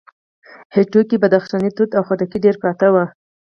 هټيو کې بدخشانی توت او خټکي ډېر پراته وو.